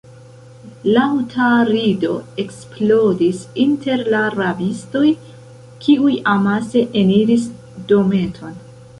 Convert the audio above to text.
Laŭta rido eksplodis inter la rabistoj, kiuj amase eniris dometon.